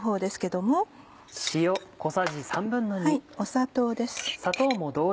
砂糖です。